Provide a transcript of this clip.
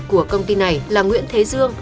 của công ty này là nguyễn thế dương